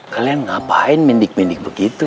kalian ngapain mendik mendik begitu